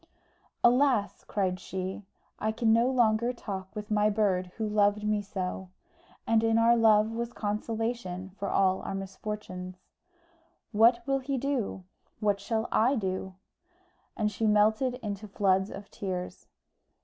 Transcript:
"Alas!" cried she, "I can no longer talk with my bird who loved me so; and our love was consolation for all our misfortunes. What will he do? What shall I do?" And she melted into floods of tears.